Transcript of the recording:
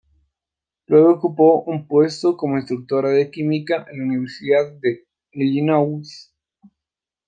Luego ocupó un puesto como instructora de Química en la Universidad de Illinois.